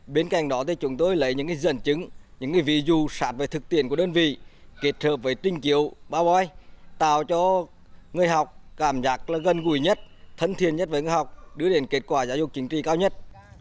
bên cạnh đó chúng tôi lấy những dẫn chứng những ví dụ sát về thực tiện của đơn vị kết hợp với trinh chiều báo bói tạo cho người học cảm giác gần gùi nhất thân thiên nhất với người học đưa đến kết quả giáo dục chính trị cao nhất